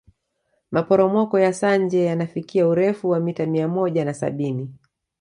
maporomoko ya sanje yanafikia urefu wa mita mia moja na sabini